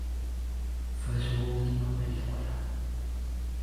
Fue su última película.